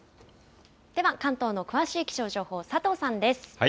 では関東の詳しい気象情報、佐藤さんです。